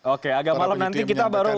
oke agak malam nanti kita baru